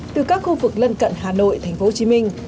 từ các khu vực lân cận hà nội tp hcm